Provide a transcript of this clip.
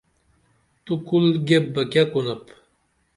تو کُل گیپ بہ کیہ کُنپ؟